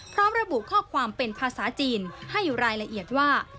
พร้อมระบุข้อความเป็นภาษาจีนให้รายละเอียดว่า